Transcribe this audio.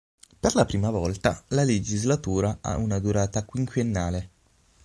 Per la prima volta la legislatura ha una durata quinquennale.